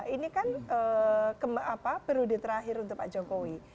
ini kan periode terakhir untuk pak jokowi